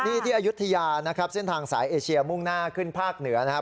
นี่ที่อายุทยานะครับเส้นทางสายเอเชียมุ่งหน้าขึ้นภาคเหนือนะครับ